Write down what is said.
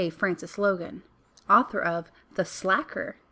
FRANCIS LOGAN Author of ;;rhe Slacker."